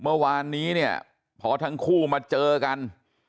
เมื่อวานนี้เนี่ยพอทั้งคู่มาเจอกัน